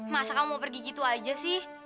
masa kamu mau pergi gitu aja sih